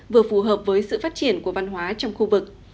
vừa phù hợp với sự phát triển của văn hóa trong khu vực